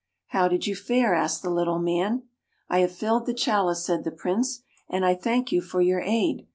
"How did you fare?" asked the Little Man. " I have filled the chalice," said the Prince, " and I thank you for your aid.